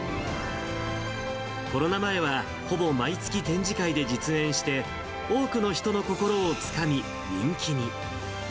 コロナ前は、ほぼ毎月、展示会で実演して、多くの人の心をつかみ、人気に。